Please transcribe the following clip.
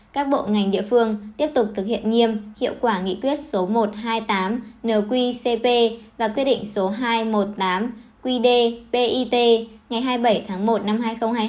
các bộ ngành địa phương tiếp tục thực hiện nghiêm hiệu quả nghị quyết một trăm hai mươi tám nqcp và quy định hai trăm một mươi tám qdpit ngày hai mươi bảy tháng một năm hai nghìn hai mươi hai